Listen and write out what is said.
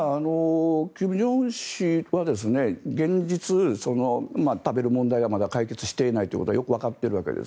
金正恩氏は現実、食べる問題はまだ解決していないということはよくわかっているわけです。